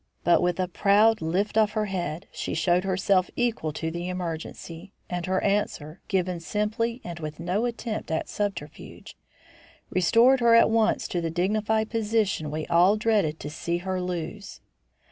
But with a proud lift of her head she showed herself equal to the emergency, and her answer, given simply and with no attempt at subterfuge, restored her at once to the dignified position we all dreaded to see her lose.